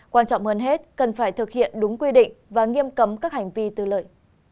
quan trọng hơn hết cần phải thực hiện đúng quy định và nghiêm cấm các hành vi tư lợi